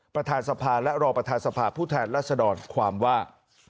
ประธานสภาและรอประธานสภาพผู้แทนรัศดรความว่า